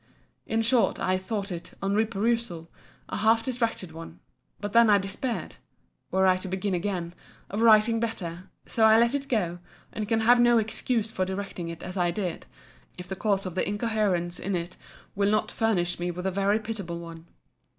In short, I thought it, on re perusal, a half distracted one: but I then despaired, (were I to begin again,) of writing better: so I let it go: and can have no excuse for directing it as I did, if the cause of the incoherence in it will not furnish me with a very pitiable one.